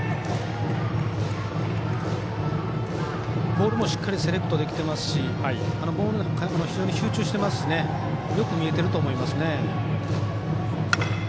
ボールもしっかりセレクトできてますし非常に集中してますしよく見えていると思いますね。